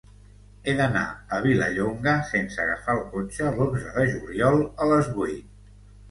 He d'anar a Vilallonga sense agafar el cotxe l'onze de juliol a les vuit.